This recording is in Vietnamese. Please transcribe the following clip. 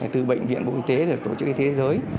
từ bệnh viện bộ y tế rồi tổ chức y tế thế giới